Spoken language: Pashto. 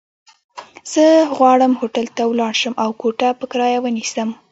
زه غواړم هوټل ته ولاړ شم، او کوټه په کرايه ونيسم.